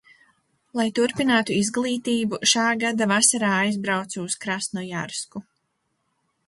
Lai turpinātu izglītību, šā gada vasarā aizbraucu uz Krasnojarsku.